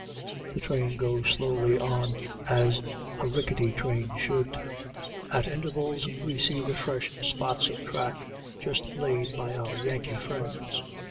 The train goes slowly on, as a rickety train should. At intervals we see the fresh spots of track just laid by our Yankee friends.